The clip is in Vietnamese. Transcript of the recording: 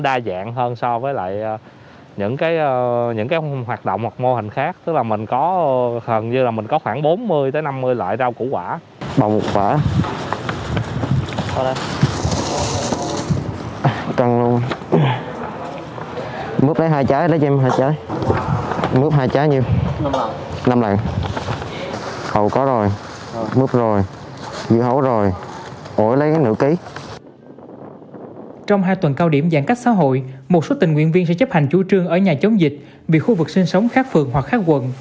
trong hai tuần cao điểm giãn cách xã hội một số tình nguyện viên sẽ chấp hành chủ trương ở nhà chống dịch vì khu vực sinh sống khác phường hoặc khác quận